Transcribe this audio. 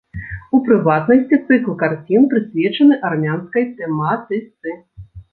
У прыватнасці цыкл карцін, прысвечаны армянскай тэматыцы.